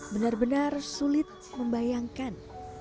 benar benar sulit membayangkan